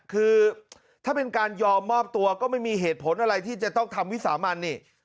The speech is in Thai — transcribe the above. คือถ้าเป็นการยอมมอบตัวก็ไม่มีเหตุผลอะไรที่จะต้องทำวิสามันนี่